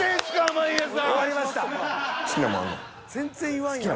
全然言わんやん。